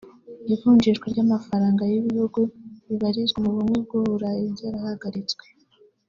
Ivunjishwa ry’amafaranga y’ibihugu bibarizwa mu bumwe bw’uburayi ryarahagaritswe